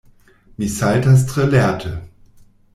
Mi saltas tre lerte.